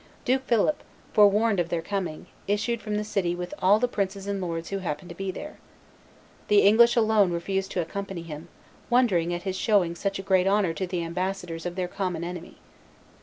Duke Philip, forewarned of their coming, issued from the city with all the princes and lords who happened to be there. The English alone refused to accompany him, wondering at his showing such great honor to the ambassadors of their common enemy.